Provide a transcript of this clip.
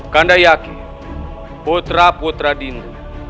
kandah yakin putra putra dinda